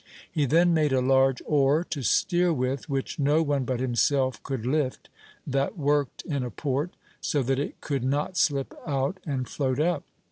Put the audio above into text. He then made a large oar to steer with, which no one but himself could lift, that worked in a port, so that it could not slip out and float up.